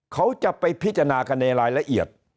เขาจะไปพิจารณากันในรายละเอียด